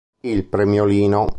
Il Premiolino